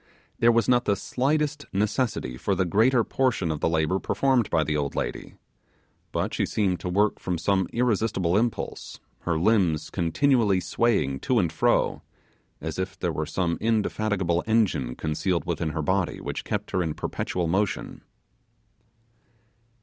There was not the slightest necessity for the greater portion of the labour performed by the old lady: but she seemed to work from some irresistible impulse; her limbs continually swaying to and fro, as if there were some indefatigable engine concealed within her body which kept her in perpetual motion.